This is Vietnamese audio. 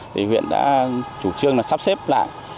huyện đã chủ trương sắp xếp lại